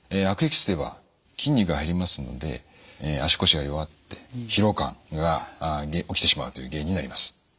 悪液質では筋肉が減りますので足腰が弱って疲労感が起きてしまうという原因になります。